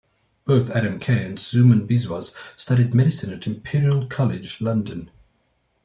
Both Adam Kay and Suman Biswas studied medicine at Imperial College London.